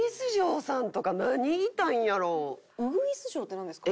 ウグイス嬢ってなんですか？